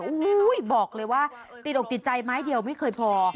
โอ้โหบอกเลยว่าติดอกติดใจไม้เดียวไม่เคยพอ